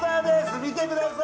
見てください。